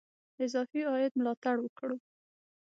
اضافي عاید ملاتړ وکړو.